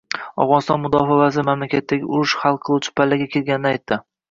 Afg‘oniston mudofaa vaziri mamlakatdagi urush hal qiluvchi pallaga kirganini aytdi